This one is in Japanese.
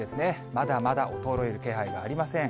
まだまだ衰える気配はありません。